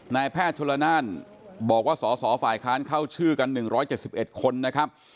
นายแพทย์ชนละนานบอกว่าสสฝ่ายค้านเข้าชื่อกัน๑๗๑คนนะครับ